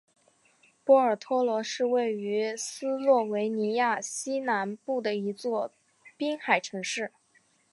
波尔托罗是位于斯洛维尼亚西南部的一座滨海城市。